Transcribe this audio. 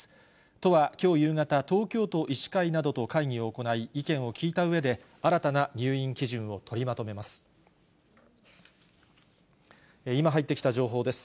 都はきょう夕方、東京都医師会などと会議を行い、意見を聞いたうえで、新たな入院基準を取りまとめます。